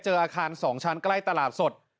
อาคาร๒ชั้นใกล้ตลาดสด